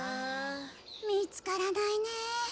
見つからないね。